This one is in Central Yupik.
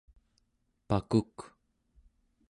pakuk